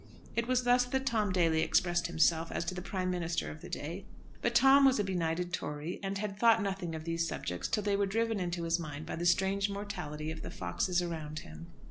It was thus that Tom Daly expressed himself as to the Prime Minister of the day; but Tom was a benighted Tory, and had thought nothing of these subjects till they were driven into his mind by the strange mortality of the foxes around him.